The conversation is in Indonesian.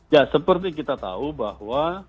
ya seperti kita tahu bahwa